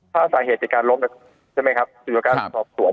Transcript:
ถ้าสาเหตุจะการล้มนะใช่ไหมครับคือการสอบส่วน